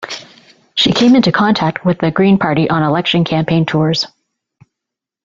She came into contact with the Green party on election campaign tours.